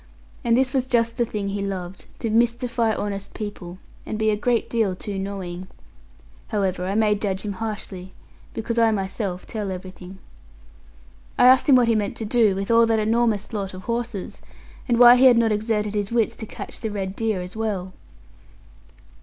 And this was just the thing he loved to mystify honest people, and be a great deal too knowing. However, I may judge him harshly, because I myself tell everything. I asked him what he meant to do with all that enormous lot of horses, and why he had not exerted his wits to catch the red deer as well.